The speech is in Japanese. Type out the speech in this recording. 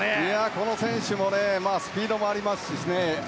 この選手もスピードもありますしね。